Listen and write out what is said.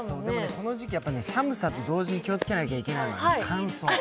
この時期、寒さと同時に気をつけなきゃいけないのは乾燥。